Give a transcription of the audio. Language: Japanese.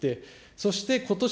そしてことし